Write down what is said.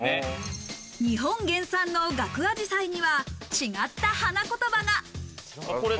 日本原産のガクアジサイには違った花言葉が。